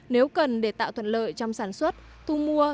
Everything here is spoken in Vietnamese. nếu cần để tạo thuận lợi trong sản xuất thu mua